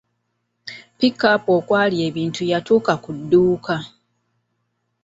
Pikapu okwali ebintu yatuuka ku dduuka.